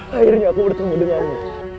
akhirnya aku bertemu denganmu